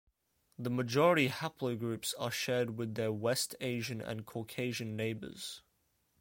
The majority haplogroups are shared with their "West Asian" and "Caucasian' neighbours.